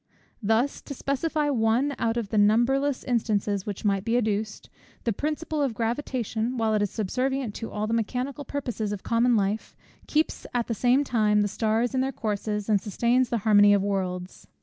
Thus, to specify one out of the numberless instances which might be adduced; the principle of gravitation, while it is subservient to all the mechanical purposes of common life, keeps at the same time the stars in their courses, and sustains the harmony of worlds.